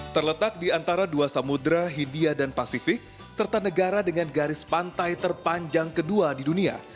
terletak di antara dua samudera hindia dan pasifik serta negara dengan garis pantai terpanjang kedua di dunia